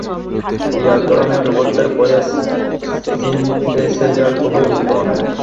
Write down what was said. PR ধরনের রোবটদের voice synthesiser খুব উন্নত মানের।